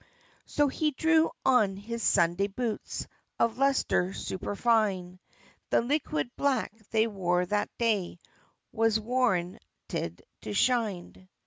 So he drew on his Sunday boots, Of lustre superfine; The liquid black they wore that day Was Warren ted to shine.